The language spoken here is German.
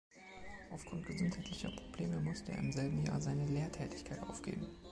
Aufgrund gesundheitlicher Probleme musste er im selben Jahr seine Lehrtätigkeit aufgeben.